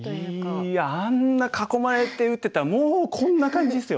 いやあんな囲まれて打ってたらもうこんな感じですよ。